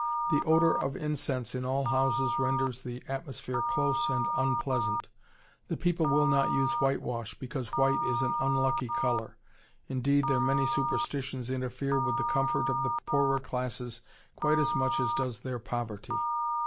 The odor of incense in all houses renders the atmosphere close and unpleasant. The people will not use whitewash, because white is an unlucky color; indeed, their many superstitions interfere with the comfort of the poorer classes quite as much as does their poverty.